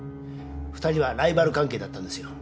２人はライバル関係だったんですよ。